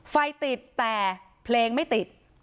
ไฟติดแต่เพลงไม่ติด